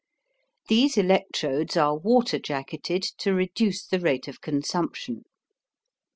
These electrodes are water jacketed to reduce the rate of consumption.